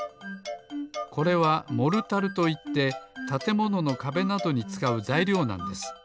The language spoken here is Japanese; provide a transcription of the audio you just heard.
これはモルタルといってたてもののかべなどにつかうざいりょうなんです。